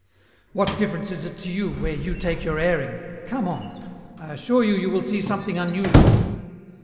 "What difference is it to you where you take your airing? Come on. I assure you you will see something unusual."